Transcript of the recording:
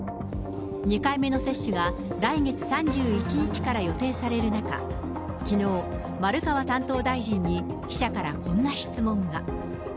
２回目の接種が来月３１日から予定される中、きのう、丸川担当大臣に記者からこんな質問が。